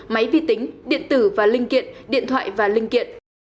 máy vi tính điện tử và linh kiện điện thoại và linh kiện